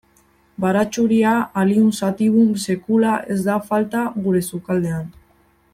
Baratxuria, Allium sativum, sekula ez da falta gure sukaldean.